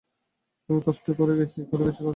আমি কষ্ট করেই গেছি, করেই গেছি, করে গেছি।